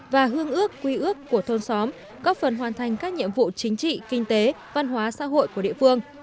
và hương ước quy ước của thôn xóm góp phần hoàn thành các nhiệm vụ chính trị kinh tế văn hóa xã hội của địa phương